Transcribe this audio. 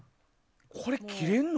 これ、切れるの？